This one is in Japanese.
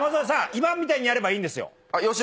今みたいにやればいいんですよ。